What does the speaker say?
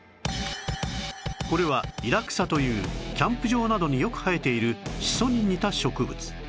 これはイラクサというキャンプ場などによく生えているシソに似た植物